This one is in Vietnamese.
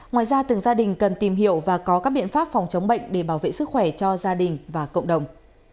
ngoài ra từng gia đình cần tìm hiểu và có các biện pháp phòng chống bệnh để bảo vệ sức khỏe cho gia đình và cộng đồng